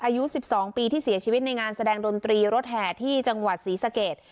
อายุ๑๒ปีที่เสียชีวิตในงานแสดงดนตรีรถแห่ที่จังหวัดศรีสะเกด